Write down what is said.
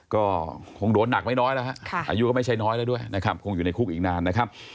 ก็คงโดนหนักไม่น้อยแล้วฮะอายุก็ไม่ใช่น้อยแล้วด้วยนะครับคงอยู่ในคุกอีกนานนะครับ